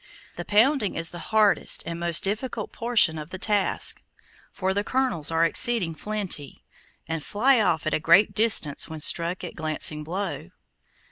The pounding is the hardest and most difficult portion of the task, for the kernels are exceeding flinty, and fly off at a great distance when struck a glancing blow.